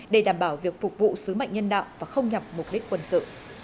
để đảm bảo việc phục vụ sứ mệnh nhân đạo và không nhập mục đích quân sự